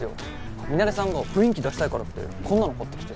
ミナレさんが雰囲気出したいからってこんなの買ってきて。